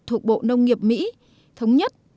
thuộc bộ nông nghiệp mỹ thống nhất